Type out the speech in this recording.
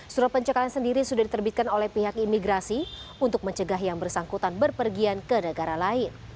surat pencekalan sendiri sudah diterbitkan oleh pihak imigrasi untuk mencegah yang bersangkutan berpergian ke negara lain